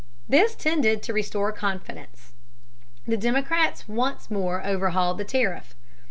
This tended to restore confidence. The Democrats once more overhauled the tariff.